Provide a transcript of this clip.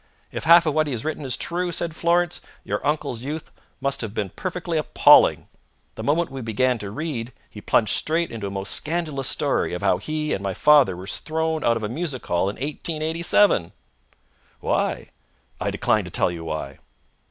"If half of what he has written is true," said Florence, "your uncle's youth must have been perfectly appalling. The moment we began to read he plunged straight into a most scandalous story of how he and my father were thrown out of a music hall in 1887!" "Why?" "I decline to tell you why."